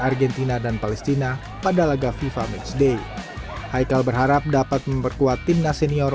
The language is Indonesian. argentina dan palestina pada laga fifa matchday haikal berharap dapat memperkuat timnas senior